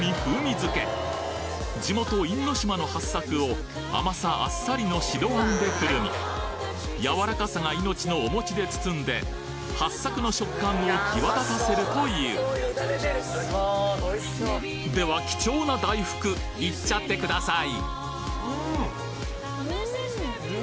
づけ地元・因島のはっさくを甘さあっさりの白餡でくるみ柔らかさが命のお餅で包んではっさくの触感を際立たせるというでは貴重な大福いっちゃってください！